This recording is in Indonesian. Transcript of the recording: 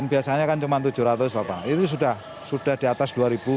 biasanya kan cuma tujuh ratus bapak itu sudah di atas dua ratus